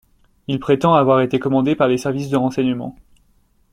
Il prétend avoir été commandé par les services de renseignement.